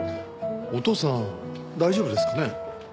お父さん大丈夫ですかね？